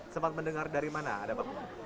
sempat mendengar dari mana ada pak